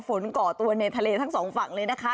ก่อตัวในทะเลทั้งสองฝั่งเลยนะคะ